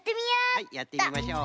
はいやってみましょう。